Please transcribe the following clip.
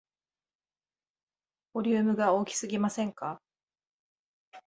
ボリュームが大きすぎませんか